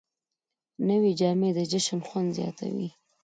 نوې جامې د جشن خوند زیاتوي